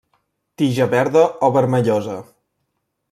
Tija verda o vermellosa.